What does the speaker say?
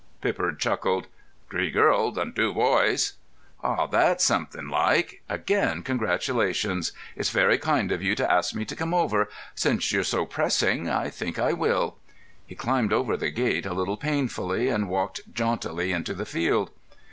Pippard chuckled. "Three girls and two boys." "Ah, that's something like! Again congratulations! It's very kind of you to ask me to come over. Since you're so pressing, I think I will." He climbed over the gate a little painfully and walked jauntily into the field.